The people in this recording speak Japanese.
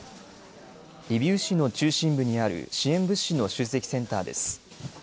リビウ市の中心部にある支援物資の集積センターです。